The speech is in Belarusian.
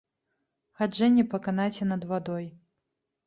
Хаджэнне па канаце над вадой.